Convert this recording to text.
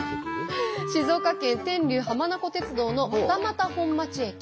静岡県天竜浜名湖鉄道の二俣本町駅。